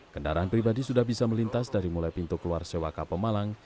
kendaraan pribadi sudah bisa melintas dari mulai pintu keluar sewaka pemalang